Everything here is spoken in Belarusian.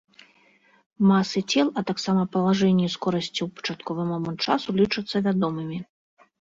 Масы цел, а таксама палажэнні і скорасці ў пачатковы момант часу лічацца вядомымі.